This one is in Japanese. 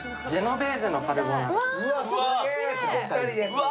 うわ！